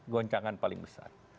goncangan paling besar